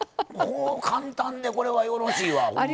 簡単でこれはよろしいわほんまに。